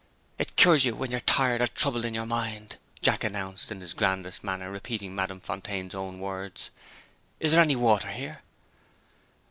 "It cures you when you are tired or troubled in your mind," Jack announced in his grandest manner, repeating Madame Fontaine's own words. "Is there any water here?"